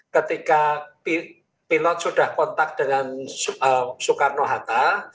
ketika pilot sudah kontak dengan soekarno hatta